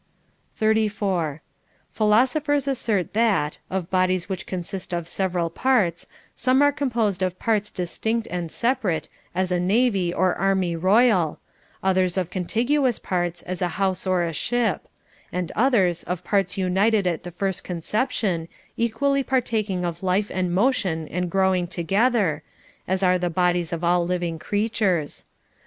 34. Philosophers assert that, of bodies which consist of several parts, some are composed of parts distinct and separate, as a navy or army royal ; others of contiguous parts, as a house or a ship ; and others of parts united at the first conception, equally partaking of life and motion and growing together, as are the bodies of all living crea CONJUGAL PRECEPTS. 499 tures.